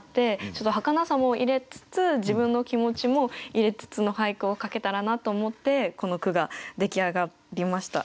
ちょっとはかなさも入れつつ自分の気持ちも入れつつの俳句を書けたらなと思ってこの句が出来上がりました。